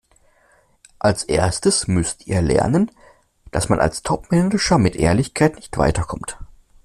Als Erstes müsst ihr lernen, dass man als Topmanager mit Ehrlichkeit nicht weiterkommt.